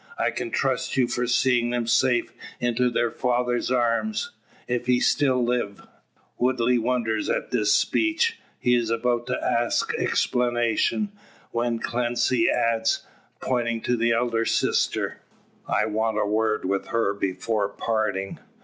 I can trust you for seeing them safe into their father's arms if he still live." Woodley wonders at this speech. He is about to ask explanation, when Clancy adds, pointing to the elder sister "I want a word with her before parting.